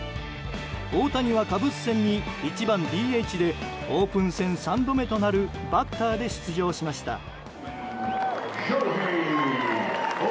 大谷がカブス戦に１番ＤＨでオープン戦３度目となるバッターで出場しました。